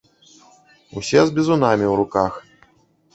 Усе з бізунамі ў руках.